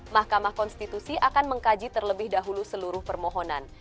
mahkamah konstitusi akan mengkaji terlebih dahulu seluruh permohonan